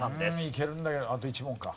いけるんだけどあと１問か。